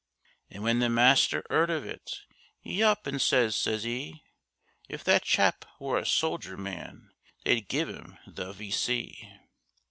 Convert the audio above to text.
An' when the Master 'eard of it, 'e up an' says, says 'e, 'If that chap were a soldier man, they'd give 'im the V.